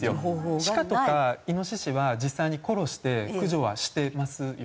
シカとかイノシシは実際に殺して駆除はしてますよ